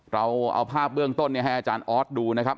เราเอาภาพเบื้องต้นให้อาจารย์ออสดูนะครับ